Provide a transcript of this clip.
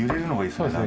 そうですね。